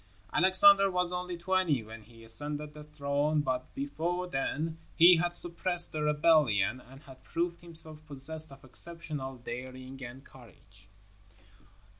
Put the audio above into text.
Alexander was only twenty when he ascended the throne, but before then he had suppressed a rebellion and had proved himself possessed of exceptional daring and courage.